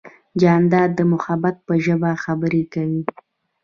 جانداد د محبت په ژبه خبرې کوي.